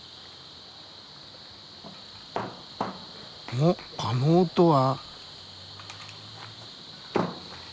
おっあの音は。